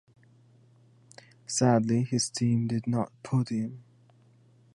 Sadly, his team did not podium.